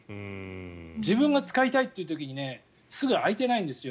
自分が使いたいという時にすぐに空いてないんですよ。